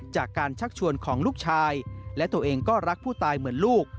จากการชักชวนของลูกชายและตัวเองก็รักผู้ตายเหมือนลูก